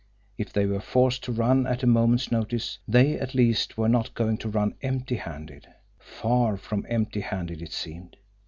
If they were forced to run at a moment's notice, they at least were not going to run empty handed! Far from empty handed, it seemed!